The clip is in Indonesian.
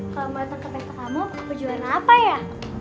kalau mau datang ke pesta kamu baju warna apa ya